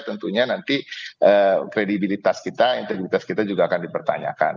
tentunya nanti kredibilitas kita integritas kita juga akan dipertanyakan